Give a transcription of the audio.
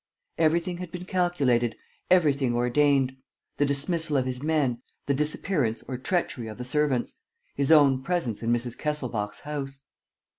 Everything had been calculated, everything ordained; the dismissal of his men, the disappearance or treachery of the servants, his own presence in Mrs. Kesselbach's house.